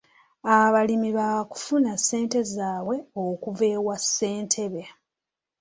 Abalimi baakufuna ssente zaabwe okuva ewa ssentebe.